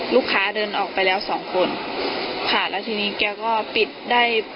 เดินออกไปแล้วสองคนค่ะแล้วทีนี้แกก็ปิดได้